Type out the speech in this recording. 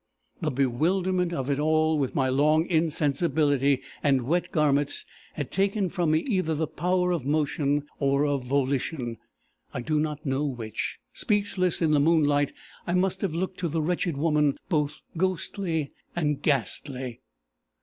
The bewilderment, of it all, with my long insensibility and wet garments, had taken from me either the power of motion or of volition, I do not know which: speechless in the moonlight, I must have looked to the wretched woman both ghostly and ghastly.